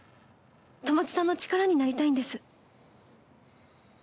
戸松さんの力になりたいんです」。